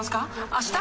あした？